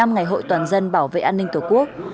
một mươi ngày hội toàn dân bảo vệ an ninh tổ quốc